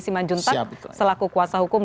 siman juntak selaku kuasa hukum